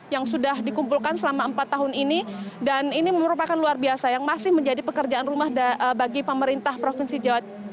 yang sudah dikumpulkan selama empat tahun ini dan ini merupakan luar biasa yang masih menjadi pekerjaan rumah bagi pemerintah provinsi jawa